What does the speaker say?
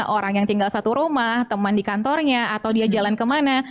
orang yang tinggal satu rumah teman di kantornya atau dia jalan kemana